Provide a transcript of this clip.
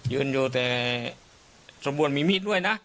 ยืนอยู่แต่วิ่งมิดด้วยนะ